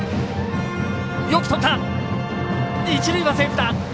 一塁はセーフだ。